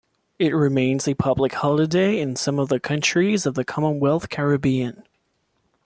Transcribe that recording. It remains a public holiday in some of the countries of the Commonwealth Caribbean.